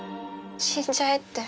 死んじゃえって。